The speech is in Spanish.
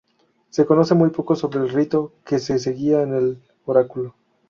Se conoce muy poco sobre el rito que se seguía en el oráculo.